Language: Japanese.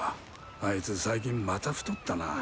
あいつ最近また太ったなあ。